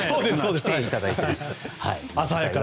来ていただいています。